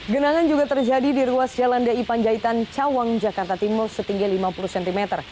genangan juga terjadi di ruas jalan di panjaitan cawang jakarta timur setinggi lima puluh cm